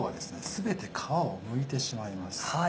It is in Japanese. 全て皮をむいてしまいます。